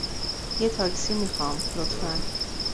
یه تاکسی می خواهم، لطفاً.